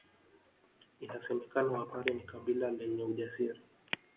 Inasemekana Wapare ni kabila lenye ujasiri